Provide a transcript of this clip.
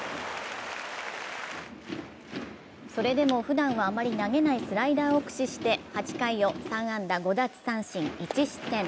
それでもふだんはあまり投げないスライダーを駆使して８回を３安打５奪三振１失点。